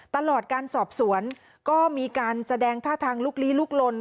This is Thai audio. ตลอดการสอบสวนก็มีการแสดงท่าทางลุกลี้ลุกลน